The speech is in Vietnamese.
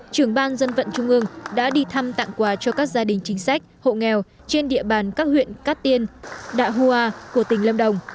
trưởng ban dân vận trung ương đã đi thăm tặng quà cho các gia đình chính sách hộ nghèo trên địa bàn các huyện cát tiên đạ hùa của tỉnh lâm đồng